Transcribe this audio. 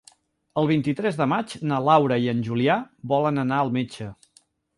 El vint-i-tres de maig na Laura i en Julià volen anar al metge.